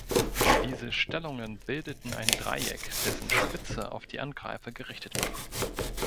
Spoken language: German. Diese Stellungen bildeten ein Dreieck, dessen Spitze auf die Angreifer gerichtet war.